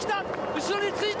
後ろについた。